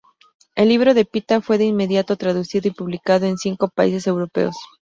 El libro de Pita fue de inmediato traducido y publicado en cinco países europeos.